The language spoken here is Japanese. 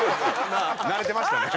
慣れてましたね。